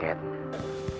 saya mau ketemu sama bella